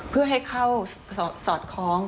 เพื่อให้เข้าสอดคล้อง